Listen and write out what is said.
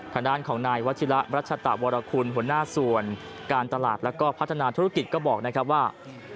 ทางด้านของนายวัชิระรัชตะวรคุณหัวหน้าส่วนการตลาดแล้วก็พัฒนาธุรกิจก็บอกนะครับว่า